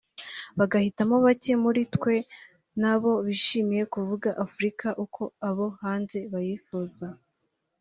bagahitamo bake muri twe nabo bishimiye kuvuga Afurika uko abo hanze bayifuza